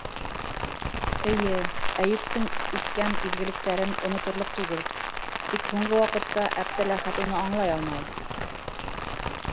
Эйе, Әйүптең иткән изгелектәрен оноторлоҡ түгел, тик һуңғы ваҡытта Әптеләхәт уны аңлай алмай.